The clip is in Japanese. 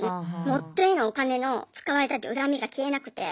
夫へのお金の「使われた」っていう恨みが消えなくて。